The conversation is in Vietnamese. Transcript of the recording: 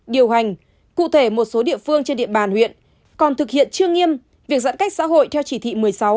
điều hành cụ thể một số địa phương trên địa bàn huyện còn thực hiện chưa nghiêm việc giãn cách xã hội theo chỉ thị một mươi sáu